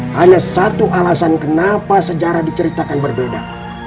hanya satu alasan kenapa sejarah diceritakan berbeda